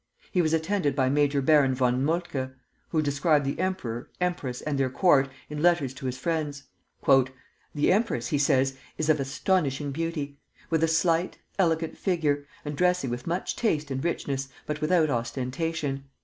He was attended by Major Baron von Moltke, who described the emperor, empress, and their court in letters to his friends. "The empress," he says, "is of astonishing beauty, with a slight, elegant figure, and dressing with much taste and richness, but without ostentation.